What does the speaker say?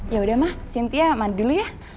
yaudah mah sintia mandi dulu ya